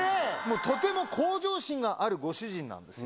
とても向上心があるご主人なんですよ。